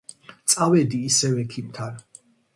წავედი ისევ ექიმთან.